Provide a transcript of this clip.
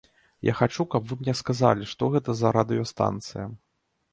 Я хачу, каб вы мне сказалі, што гэта за радыёстанцыя.